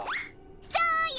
そうよ！